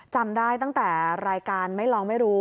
จำได้ตั้งแต่รายการไม่ลองไม่รู้